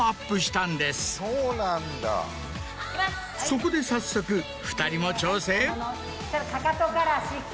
そこで早速２人も挑戦。